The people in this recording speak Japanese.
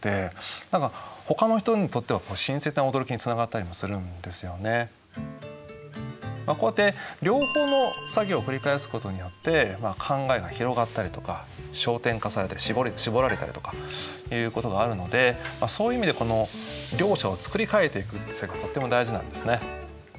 そもそもこうやって両方の作業を繰り返すことによって考えが広がったりとか焦点化されて絞られたりとかいうことがあるのでそういう意味でこの両者を作り替えていくとっても大事なんですね。